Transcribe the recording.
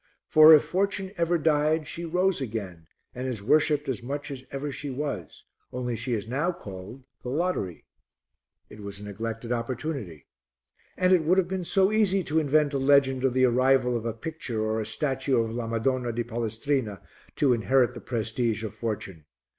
For if Fortune ever died she rose again and is worshipped as much as ever she was, only she is now called the Lottery." "It was a neglected opportunity." "And it would have been so easy to invent a legend of the arrival of a picture or a statue of la Madonna di Palestrina to inherit the prestige of Fortune.